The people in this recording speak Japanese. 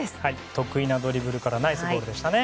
得意なドリブルからナイスゴールでしたね。